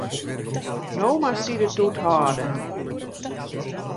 No moatst dy de toet hâlde.